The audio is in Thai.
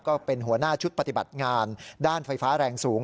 ก็เป็นหัวหน้าชุดปฏิบัติงานด้านไฟฟ้าแรงสูง